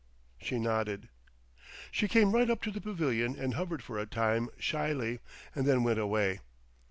She nodded. She came right up to the pavilion and hovered for a time shyly, and then went away.